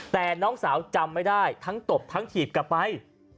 แต่น้องสาวจำไม่ได้ทั้งตบทั้งถีบกลับไป